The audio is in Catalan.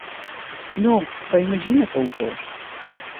No, però imagina que ho fos.